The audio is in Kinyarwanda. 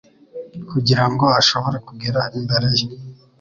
kugira ngo ashobore kugera imbere ye.